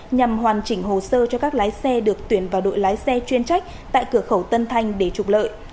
nhằm hoàn chỉnh hồ sơ cho các lái xe được tuyển vào đội lái xe chuyên trách tại cửa khẩu tân thanh để trục lợi